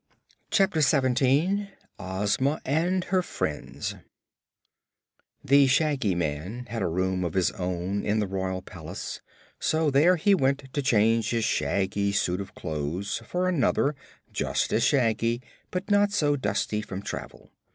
Chapter Seventeen Ozma and Her Friends The Shaggy Man had a room of his own in the royal palace, so there he went to change his shaggy suit of clothes for another just as shaggy but not so dusty from travel.